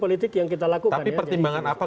politik yang kita lakukan pertimbangan apa